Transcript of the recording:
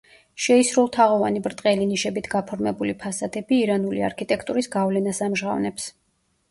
შეისრულთაღოვანი ბრტყელი ნიშებით გაფორმებული ფასადები ირანული არქიტექტურის გავლენას ამჟღავნებს.